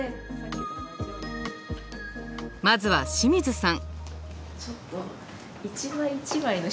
まずは清水さん。